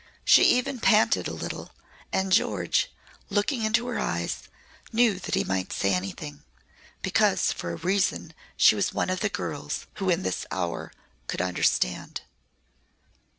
She even panted a little and George, looking into her eyes, knew that he might say anything, because for a reason she was one of the girls who in this hour could understand.